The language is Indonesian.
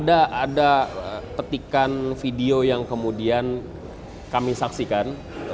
ada petikan video yang kemudian kami saksikan